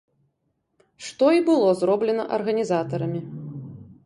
Што і было зроблена арганізатарамі.